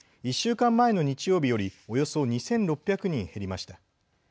１週間前の日曜日よりおよそ２６００人減りました。